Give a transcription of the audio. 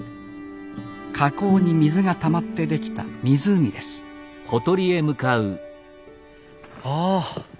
火口に水がたまってできた湖ですああ